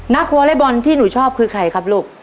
วอเล็กบอลที่หนูชอบคือใครครับลูก